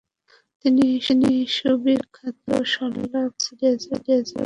তিনি সুবিখ্যাত Sherlock Holmes সিরিজের গল্পগুলি লিখতে শুরু করেন।